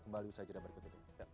kembali usai jeda berikutnya